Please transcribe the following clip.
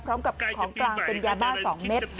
พร้อมกับของกลางเป็นยาบ้า๒เม็ด